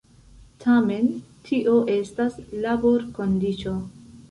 Tamen tio estas laborkondiĉo.